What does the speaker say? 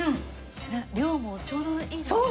量もちょうどいいですね。